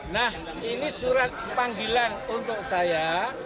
nah ini surat panggilan untuk saya